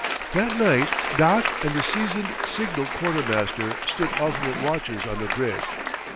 That night Doc and the seasoned signal quartermaster stood alternate watches on the bridge.